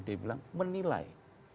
dia bilang menilai